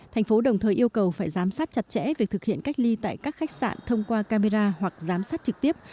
thành phố đồng thời yêu cầu phải giám sát chặt chẽ việc thực hiện cách ly tại các khách sạn thông qua camera hoặc giám sát trực tiếp